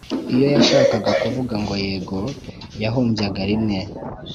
Iyo yashakaga kuvuga ngo yego yahumbyaga rimwe